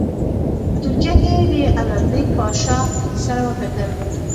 په ترکیه کې یې د انوربیګ پاشا سره وکتل.